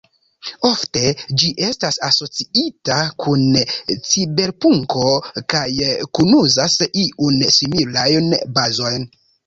Ofte ĝi estas asociita kun ciberpunko kaj kunuzas iun similajn bazojn.